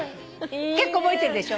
結構覚えてるでしょ？